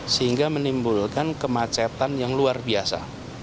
sehingga menimbulkan kemacetan yang luar biasa